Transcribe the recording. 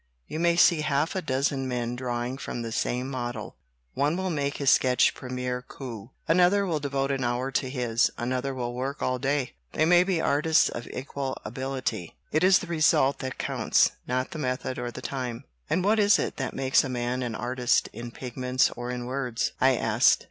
You may see half a dozen men drawing from the same model. One will make his sketch premier coup; another will devote an hour to his; another will work all day. They may be artists of equal ability. It is the result that counts, not the method or the time." "And what is it that makes a man an artist, in pigments or in words?" I asked.